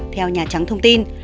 theo nhà trắng thông tin